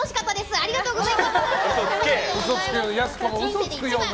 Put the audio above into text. ありがとうございます！